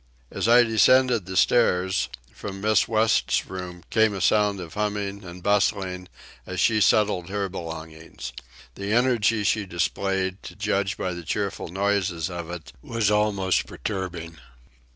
As I descended the stairs, from Miss West's room came a sound of humming and bustling, as she settled her belongings. The energy she displayed, to judge by the cheerful noises of it, was almost perturbing.